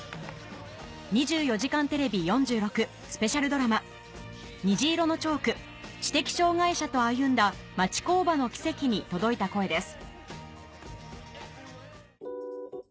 『２４時間テレビ４６』スペシャルドラマ『虹色のチョーク知的障がい者と歩んだ町工場のキセキ』に届いた声です